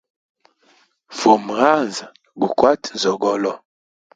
Fuma haza gukwate nzoogolo.